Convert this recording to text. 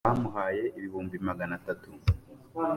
bmuhaye ibihumbi magana atutu